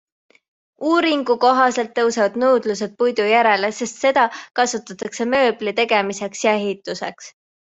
Uuringu kohaselt tõusevad nõudlused puidu järele, sest seda kasutatakse mööbli tegemiseks ja ehituseks.